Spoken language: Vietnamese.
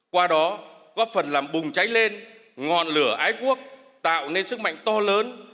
qua đó góp phần làm bùng cháy lên ngọn lửa ái quốc tạo nên sức mạnh to lớn